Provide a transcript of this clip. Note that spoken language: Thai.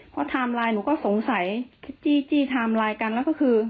เพราะไทม์ไลน์หนูก็สงสัยจี้ไทม์ไลน์กันแล้วก็คือ